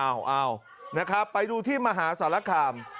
เอานะครับไปดูที่มหาสารคาม